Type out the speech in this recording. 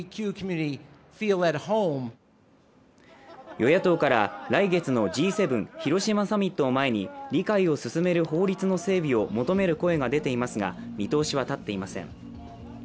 与野党から来月のＧ７広島サミットを前に、理解を進める法律の整備を求める声が出ていますが見通しは立っていません。